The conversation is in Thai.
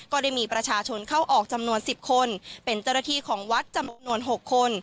ก็ได้มีประชาชนเข้าออกจำนวน๑๐คนเป็นเจ้าหน้าที่ของวัดจำนวน๖คน